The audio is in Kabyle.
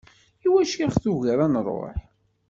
Iwacu i ɣ-tugiḍ ad nruḥ?